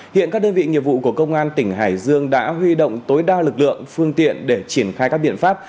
hiện các đơn vị nghiệp vụ của công an tỉnh hải dương đã huy động tối đa lực lượng phương tiện để triển khai các biện pháp